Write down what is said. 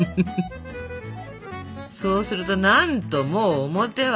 そうするとなんともう表は。